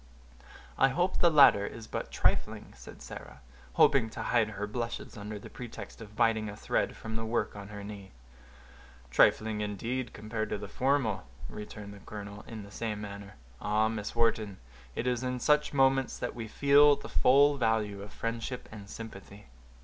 "I hope the latter is but trifling," said Sarah, stooping to hide her blushes under the pretext of biting a thread from the work on her knee. "Trifling, indeed, compared to the former," returned the colonel, in the same manner. "Ah! Miss Wharton, it is in such moments that we feel the full value of friendship and sympathy."